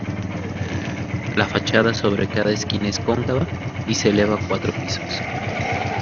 La fachada sobre cada esquina es cóncava, y se eleva cuatro pisos.